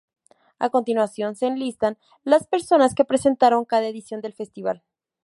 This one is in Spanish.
A continuación se enlistan las personas que presentaron cada edición del festival.